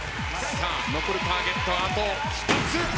さあ残るターゲットはあと２つ。